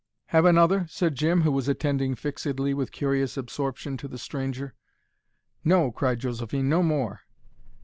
"Have another?" said Jim, who was attending fixedly, with curious absorption, to the stranger. "No," cried Josephine, "no more."